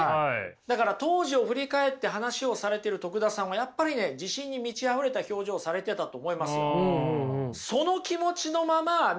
だから当時を振り返って話をされてる徳田さんはやっぱりね自信に満ちあふれた表情をされてたと思いますよ。